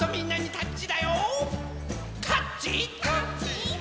「タッチ！」